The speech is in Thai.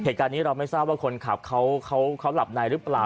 เหตุการณ์นี้เราไม่ทราบว่าคนขับเขาหลับในหรือเปล่า